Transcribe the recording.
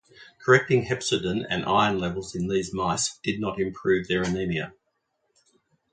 Correcting hepcidin and iron levels in these mice did not improve their anemia.